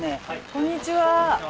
こんにちは。